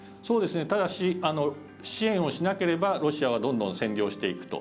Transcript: ただし、支援をしなければロシアはどんどん占領していく。